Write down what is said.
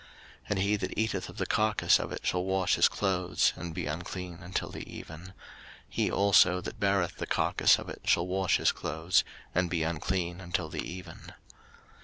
03:011:040 And he that eateth of the carcase of it shall wash his clothes, and be unclean until the even: he also that beareth the carcase of it shall wash his clothes, and be unclean until the even.